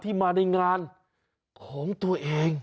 มาในงานของตัวเอง